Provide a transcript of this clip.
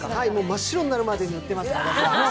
真っ白になるまで塗ってます、私は。